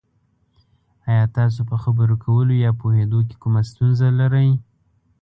ایا تاسو په خبرو کولو یا پوهیدو کې کومه ستونزه لرئ؟